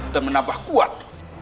dan menambah kuat